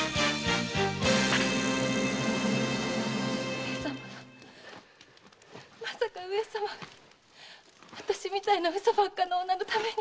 上様がまさか上様が私みたいなウソばっかりの女のために！